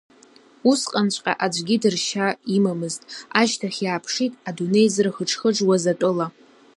Усҟанҵәҟьа аӡәгьы дыршьа имамызт, ашьҭахь иааԥшит, адунеи зырхыџхыџуаз атәыла…